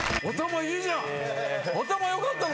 頭良かったの⁉